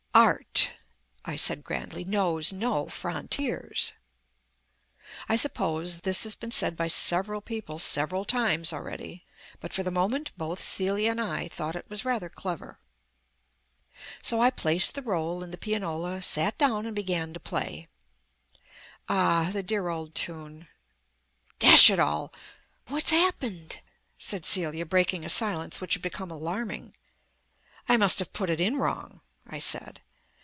"Art," I said grandly, "knows no frontiers." I suppose this has been said by several people several times already, but for the moment both Celia and I thought it was rather clever. So I placed the roll in the pianola, sat down and began to play.... Ah, the dear old tune.... Dash it all! "What's happened?" said Celia, breaking a silence which had become alarming. "I must have put it in wrong," I said.